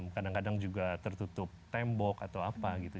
kadang kadang juga tertutup tembok atau apa gitu